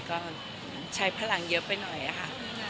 ก็ใช้พลังเยอะไปหน่อยค่ะ